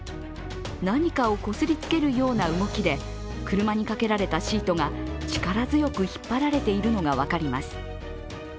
何かをこすりつけるような動きで、車にかけられたシートが力強く引っ張られているのが分かります。